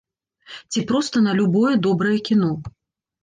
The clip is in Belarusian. Ці проста на любое добрае кіно.